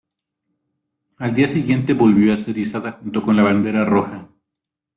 Al día siguiente volvió a ser izada junto con la bandera roja.